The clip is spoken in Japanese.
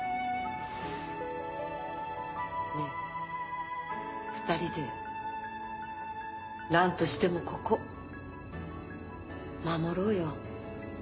ねえ２人で何としてもここ守ろうよ。